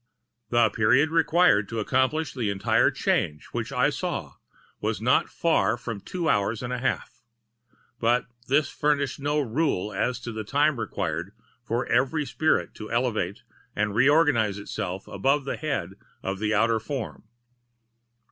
The period required to accomplish the entire change which I saw was not far from two hours and a half; but this furnished no rule as to the time required for every spirit to elevate and reorganize itself above the head of the outer form.